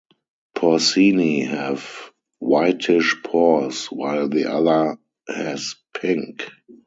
Porcini have whitish pores while the other has pink.